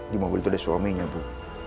di mobil itu ada suaminya bu